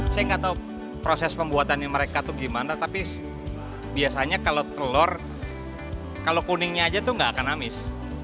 saya nggak tahu proses pembuatannya mereka tuh gimana tapi biasanya kalau telur kalau kuningnya aja tuh nggak akan amis